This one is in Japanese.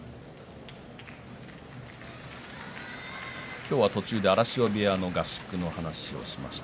今日は途中で荒汐部屋の合宿の話をしました。